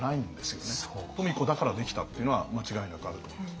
富子だからできたっていうのは間違いなくあると思います。